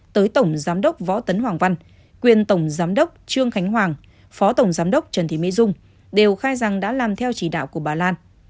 tới tổng giám đốc võ tấn hoàng văn quyền tổng giám đốc trương khánh hoàng phó tổng giám đốc trần thị mỹ dung đều khai rằng đã làm theo chỉ đạo của bà lan